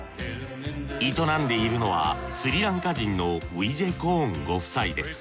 営んでいるのはスリランカ人のウィジェコーンご夫妻です。